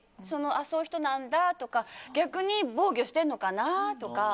あ、そういう人なんだとか逆に、防御してるのかなとか。